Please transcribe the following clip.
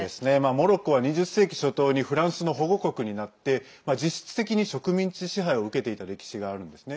モロッコは２０世紀初頭にフランスの保護国になって実質的に植民地支配を受けていた歴史があるんですね。